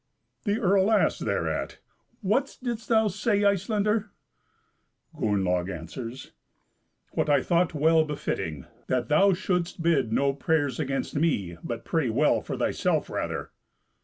The earl asked thereat, "What didst thou say, Icelander?" Gunnlaug answers, "What I thought well befitting, that thou shouldst bid no prayers against me, but pray well for thyself rather."